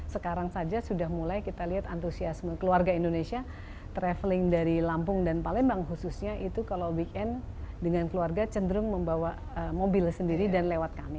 sekarang saja sudah mulai kita lihat antusiasme keluarga indonesia traveling dari lampung dan palembang khususnya itu kalau weekend dengan keluarga cenderung membawa mobil sendiri dan lewat kami